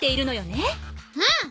うん。